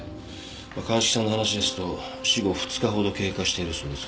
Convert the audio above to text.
まあ鑑識さんの話ですと死後２日ほど経過しているそうです。